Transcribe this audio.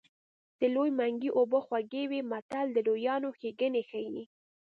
د لوی منګي اوبه خوږې وي متل د لویانو ښېګڼې ښيي